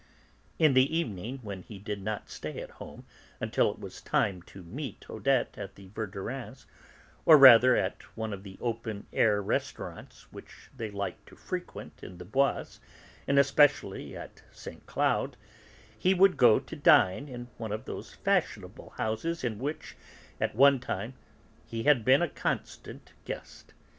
In the evening, when he did not stay at home until it was time to meet Odette at the Verdurins', or rather at one of the open air restaurants which they liked to frequent in the Bois and especially at Saint Cloud, he would go to dine in one of those fashionable houses in which, at one time, he had been a constant guest.